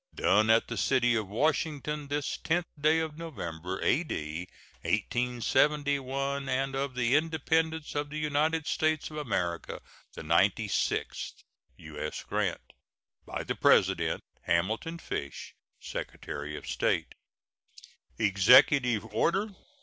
Done at the city of Washington, this 10th day of November, A.D. 1871, and of the Independence of the United States of America the ninety sixth. [SEAL.] U.S. GRANT. By the President: HAMILTON FISH, Secretary of State. EXECUTIVE ORDER.